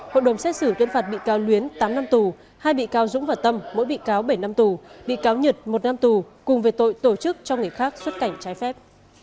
hội đồng xét xử tuyên phạt bị cáo luyến tám năm tù hai bị cáo dũng và tâm mỗi bị cáo bảy năm tù bị cáo nhật một năm tù cùng về tội tổ chức cho người khác xuất cảnh trái phép